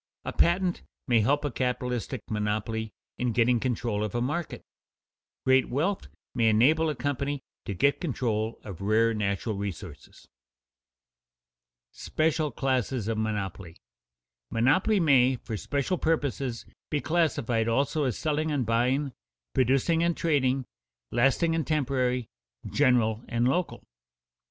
A patent may help a capitalistic monopoly in getting control of a market; great wealth may enable a company to get control of rare natural resources. [Sidenote: Special classes of monopoly] 2. _Monopolies may, for special purposes, be classified also as selling and buying, producing and trading, lasting and temporary, general and local.